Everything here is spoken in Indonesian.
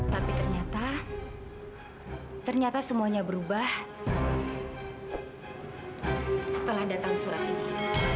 tapi ternyata semuanya berubah setelah datang surat ini